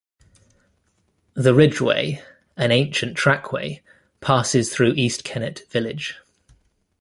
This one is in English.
The Ridgeway, an ancient trackway, passes through East Kennet village.